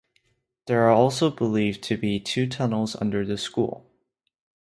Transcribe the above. There are also believed to be two tunnels under the school.